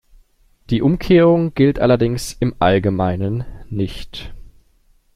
Die Umkehrung gilt allerdings im Allgemeinen nicht.